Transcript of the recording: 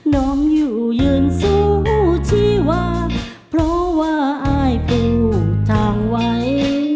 น้องอยู่ยืนสู้ชีวาเพราะว่าอ้ายผู้จางไว้